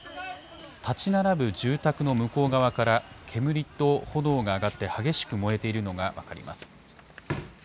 建ち並ぶ住宅の向こう側から煙と炎が上がって激しく燃えているのが分かります。